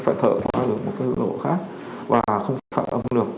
phải thở qua đường một hướng lộ khác và không phát âm được